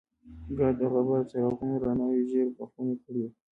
ګرد او غبار د څراغونو رڼاوې ژېړ بخونې کړې وې.